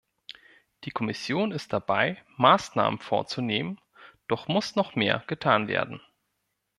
Die Kommission ist dabei, Maßnahmen vorzunehmen, doch muss noch mehr getan werden.